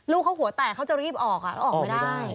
ลูกเขาหัวแตกเขาจะรีบออกแล้วออกไม่ได้